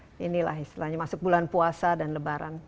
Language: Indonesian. sudah ada inilah istilahnya masuk bulan puasa dan lebaran